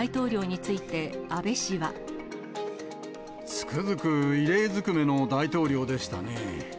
つくづく異例ずくめの大統領でしたね。